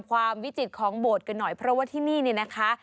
ความวิจิตภ์ของโบรสกันหน่อยเพราะว่าที่นี้เนี้ยนะคะ